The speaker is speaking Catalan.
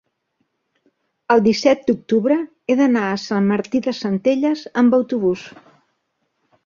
el disset d'octubre he d'anar a Sant Martí de Centelles amb autobús.